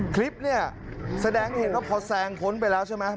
คลิปเนี่ยแสดงเห็นว่าพอแซงพ้นไปแล้วใช่ไหม